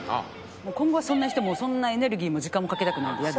もう今後はそんな人そんなエネルギーも時間もかけたくないのでイヤです。